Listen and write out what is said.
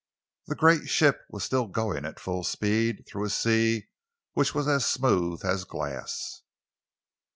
The great ship was still going at full speed through a sea which was as smooth as glass.